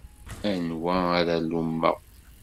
Anwa ara lummeɣ?